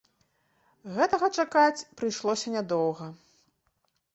Гэтага чакаць прыйшлося нядоўга.